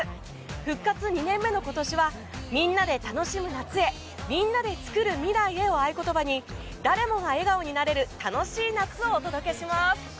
復活２年目の今年は「みんなで楽しむ夏へみんなで創るミライへ」を合言葉に誰もが笑顔になれる楽しい夏をお届けします。